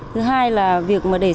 thứ hai là việc mà để xe